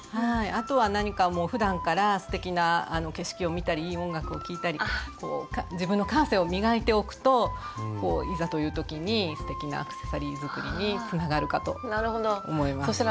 あとは何かもうふだんからすてきな景色を見たりいい音楽を聴いたり自分の感性を磨いておくといざという時にすてきなアクセサリー作りにつながるかと思います。